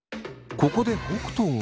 ここで北斗が。